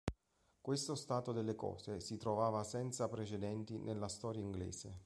Questo stato delle cose si trovava senza precedenti nella storia inglese.